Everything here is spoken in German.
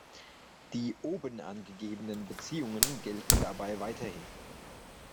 Die oben angegebenen Beziehungen gelten dabei weiterhin.